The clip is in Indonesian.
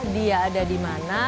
dia ada dimana